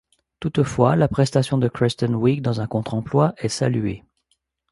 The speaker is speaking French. Toutefois, la prestation de Kristen Wiig dans un contre-emploi est saluée.